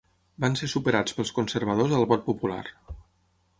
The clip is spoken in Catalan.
Van ser superats pels Conservadors al vot popular.